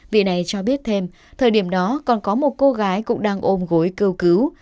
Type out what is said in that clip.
vị này cho biết thêm thời điểm đó còn có một cô gái cũng đang ôm gối kêu cứu